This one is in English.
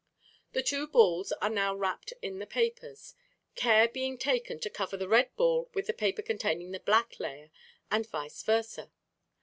The two balls are now wrapped in the papers, care being taken to cover the red ball with the paper containing the black layer, and vice versa.